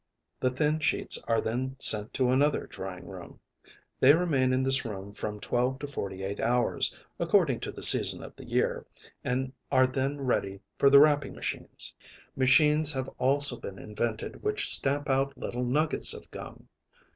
The thin sheets are then sent to another drying room. They remain in this room from twelve to forty eight hours, according to the season of the year, and are then ready for the wrapping machines. Machines have also been invented which stamp out little nuggets of gum.